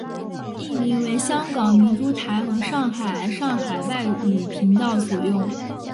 译名为香港明珠台和上海上海外语频道所用。